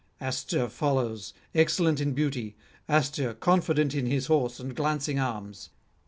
Astyr follows, excellent in beauty, Astyr, confident in his horse and glancing arms.